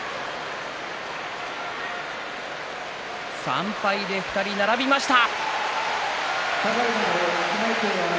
３敗で２人、並びました。